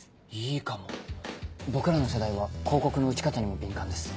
いいかも僕らの世代は広告の打ち方にも敏感です。